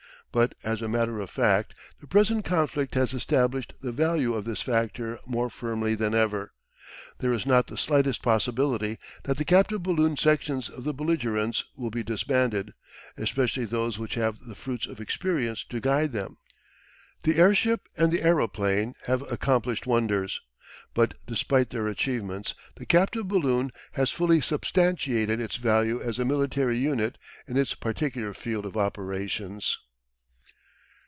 But as a matter of fact the present conflict has established the value of this factor more firmly than ever. There is not the slightest possibility that the captive balloon sections of the belligerents will be disbanded, especially those which have the fruits of experience to guide them. The airship and the aeroplane have accomplished wonders, but despite their achievements the captive balloon has fully substantiated its value as a military unit in its particular field of operations.